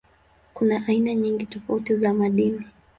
Kuna aina nyingi tofauti za madini.